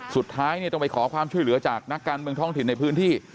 สุดท้ายต้องไปขอความช่วยเหลือจากนักการเมืองท้องถิ่นในพื้นที่